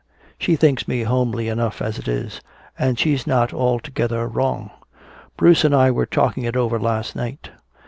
"She thinks me homely enough as it is. And she's not altogether wrong. Bruce and I were talking it over last night.